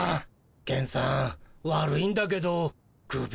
ケンさん悪いんだけどクビ。